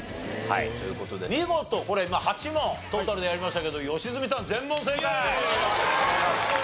はいという事で見事これ８問トータルでやりましたけど良純さん全問正解！